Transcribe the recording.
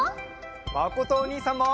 まことおにいさんも！